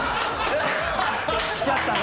きちゃったね。